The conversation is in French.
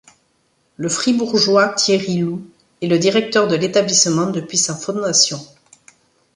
Le fribourgeois Thierry Loup est le directeur de l'établissement depuis sa fondation.